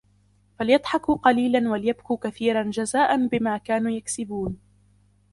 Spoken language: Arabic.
فَلْيَضْحَكُوا قَلِيلًا وَلْيَبْكُوا كَثِيرًا جَزَاءً بِمَا كَانُوا يَكْسِبُونَ